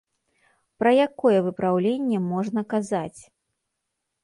Пра якое выпраўленне можна казаць?